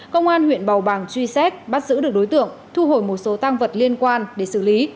công an huyện bầu bàng truy xét bắt giữ được đối tượng thu hồi một số tăng vật liên quan để xử lý